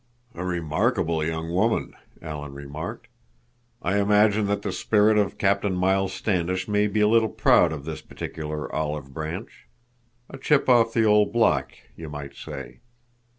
"A remarkable young woman," Alan remarked. "I imagine that the spirit of Captain Miles Standish may be a little proud of this particular olive branch. A chip off the old block, you might say.